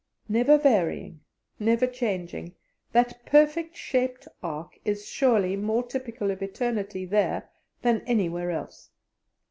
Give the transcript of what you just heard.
Never varying, never changing, that perfect shaped arc is surely more typical of eternity there than anywhere else.